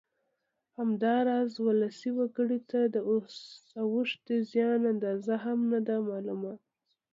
همداراز ولسي وګړو ته د اوښتې زیان اندازه هم نه ده معلومه